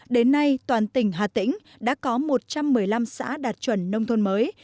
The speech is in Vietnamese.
đến nay toàn tỉnh hà tĩnh đã có một trăm một mươi năm xã đạt chuẩn nông thôn mới